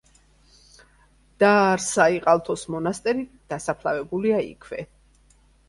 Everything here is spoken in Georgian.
დააარსა იყალთოს მონასტერი, დასაფლავებულია იქვე.